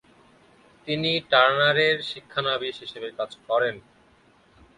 তিনি টার্নারের শিক্ষানবিশ হিসেবে কাজ করেন।